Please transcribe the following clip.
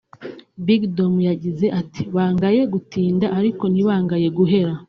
Big Dom yagize ati “ Bangaye gutinda ariko ntibangaye guhera